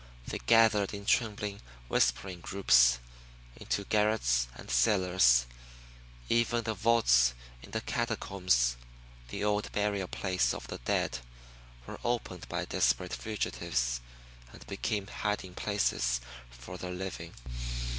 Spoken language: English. They gathered in trembling, whispering groups, into garrets and cellars; even the vaults in the catacombs, the old burial place of the dead, were opened by desperate fugitives, and became hiding places for the living.